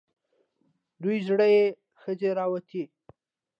دوه زړې ښځې راووتې.